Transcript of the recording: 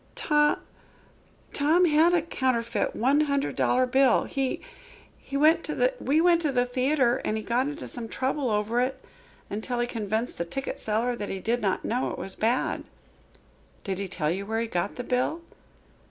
"To Tom had a counterfeit one hundred dollar bill. He we went to the theatre and he got into some trouble over it, until he convinced the ticket seller that he did not know it was bad." "Did he tell you where he got the bill?"